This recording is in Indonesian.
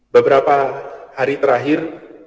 beberapa hari terakhir